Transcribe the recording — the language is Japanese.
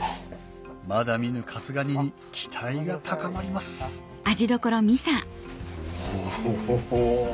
まだ見ぬ活がにに期待が高まりますお。